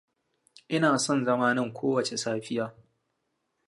Ina son zama nan ko wace safiya.